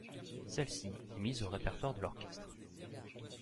Celle-ci est mise au répertoire de l'orchestre.